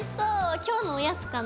今日のおやつかな？